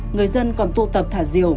người dân còn tu tập thả diều